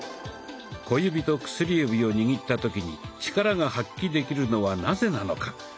小指と薬指を握った時にチカラが発揮できるのはなぜなのか？